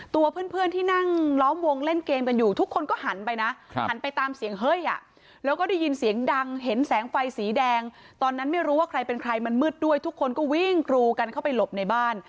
ตัวเพื่อนที่นั่งล้อมวงเล่นเกมกันอยู่ทุกคนก็หันไปนะหันไปตามเสียงเฮ้ยแล้วก็ได้ยินเสียงดังเห็นแสงไฟสีแดงตอนนั้นไม่รู้ว่าใครเป็นใครมันมืดด้วยทุกคนก็วิ่งกรูกันเข้าไปหลบในบ้าน